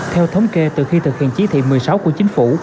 theo thống kê từ khi thực hiện chí thị một mươi sáu của chính phủ